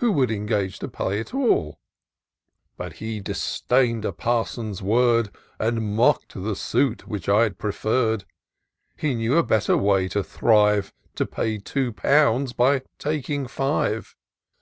Who would engage to pay it all ; But he disdain'd a parson's word. And mock'd the suit which I preferred. He knew a better way to thrive ; To pay two pounds by taking five.